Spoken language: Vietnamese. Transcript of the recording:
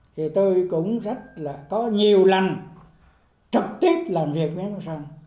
thì tôi cũng rất là có nhiều lần trực tiếp làm việc với ông bắc son